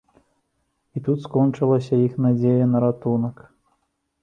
І тут скончылася іх надзея на ратунак.